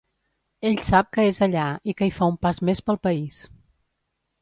Ell sap que és allà i que hi fa un pas més pel país.